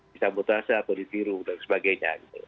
bisa memutuskan atau ditiru dan sebagainya